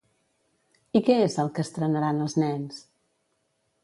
I què és el que estrenaran els nens?